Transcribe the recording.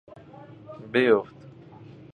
بیفت